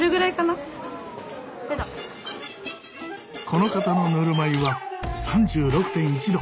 この方のぬるま湯は３６．１℃。